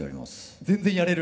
全然やれる？